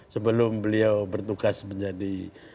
sebelum beliau bertugas menjadi